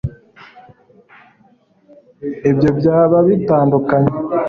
ibyo byaba bitandukanye